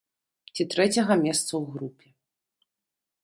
Ці трэцяга месца ў групе.